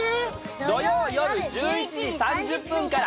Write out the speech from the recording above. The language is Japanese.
土曜よる１１時３０分から。